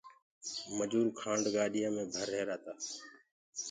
مجوٚر کآنڊ گاڏيآنٚ مي ڀر رهيرآ تآ۔